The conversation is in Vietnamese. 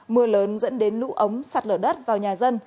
mưa lớn dẫn đến lũ ống sạt lở đất vào nhà dân